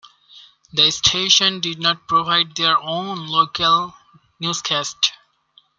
The station did not provide their own local newscasts.